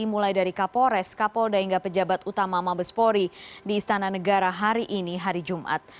mulai dari kapolres kapolda hingga pejabat utama mabespori di istana negara hari ini hari jumat